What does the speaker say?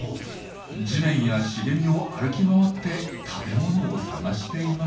地面や茂みを歩き回って食べ物を探しています。